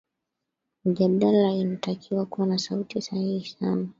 mijadala inatakiwa kuwa na sauti sahihi sana